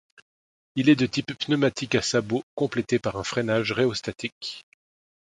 Il est de type pneumatique à sabots complété par un freinage rhéostatique.